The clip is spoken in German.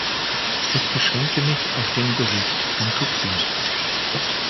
Ich beschränke mich auf den Bericht Fantuzzi.